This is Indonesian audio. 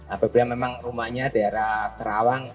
apabila memang rumahnya daerah terawang